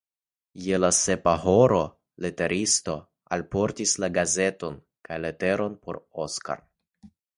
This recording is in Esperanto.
Je la sepa horo la leteristo alportis la gazeton kaj leteron por Oskar.